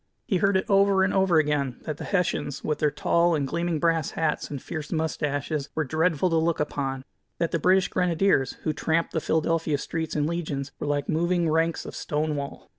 He heard it over and over again, that the Hessians, with their tall and gleaming brass hats and fierce mustaches, "were dreadful to look upon," that the British Grenadiers, who tramped the Philadelphia streets in legions, "were like moving ranks of stone wall."